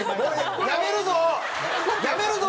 やめるぞ！